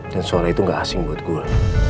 dan suara itu gak asing buat gue